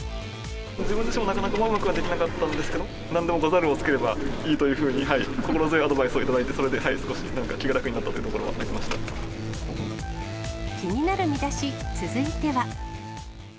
自分自身もなかなかうまくはできなかったんですけど、なんでもござるをつければいいというふうに、はい、心強いアドバイスを頂いて、それで少し気が楽になったという気になるミダシ、続いては。